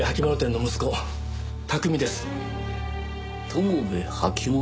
友部履物？